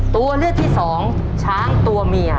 ตัวเลือกที่สองช้างตัวเมีย